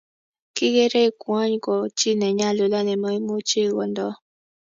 Kikerei kwony ko chi nenyalulat nemoimuchi kondo